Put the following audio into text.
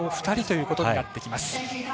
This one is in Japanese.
２人ということになってきます。